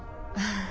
ああ。